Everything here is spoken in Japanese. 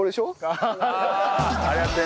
あああれやって。